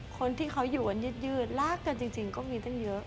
คนที่เขาอยู่กันยืดรักกันจริงก็มีตั้งเยอะ